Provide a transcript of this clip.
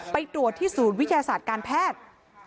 ไปตรวจที่ศูนย์วิทยาศาสตร์การแพทย์